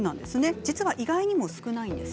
実は意外にも少ないのです。